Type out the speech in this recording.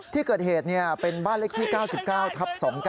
ที่เกิดเหตุเป็นบ้านเลขที่๙๙ทับ๒๙